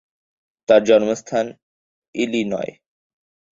তার জন্ম স্থান ইলিনয়।